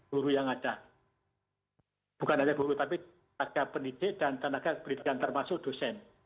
bukan hanya guru tapi tenaga pendidikan dan tenaga keberdikan termasuk dosen